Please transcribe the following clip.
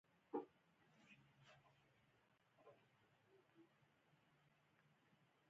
• د انسان ژوند د دې اختراعاتو له امله ښه شو.